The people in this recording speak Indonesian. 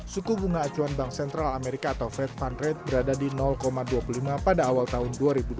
suku bunga acuan bank sentral amerika atau fed fund rate berada di dua puluh lima pada awal tahun dua ribu dua puluh